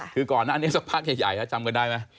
คือก่อนหน้านี้สักพักใหญ่จำกันได้ไหม